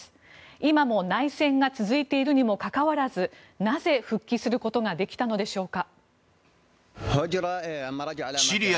今も内戦が続いているにもかかわらずなぜ復帰できたのでしょうか。